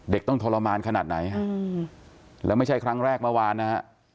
เด็กต้องทรมานขนาดไหนครับและไม่ใช่ครั้งแรกเมื่อวานนะครับ